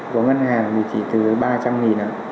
của ngân hàng thì chỉ từ ba trăm linh ạ